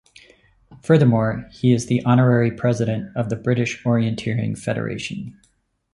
Furthermore, he is the Honorary President of the British Orienteering Federation.